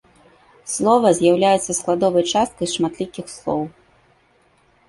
Слова з'яўляецца складовай часткай шматлікіх слоў.